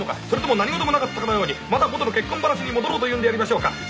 それとも何事もなかったかのようにまたもとの結婚話に戻ろうというんでありましょうか。